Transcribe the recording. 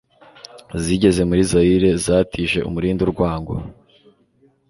zigeze muri Zaïre zatije umurindi urwango